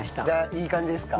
いい感じですか？